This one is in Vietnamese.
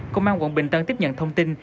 công an quận bình tân tiếp nhận thông tin